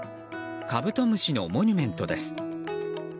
カブトムシのモニュメントです。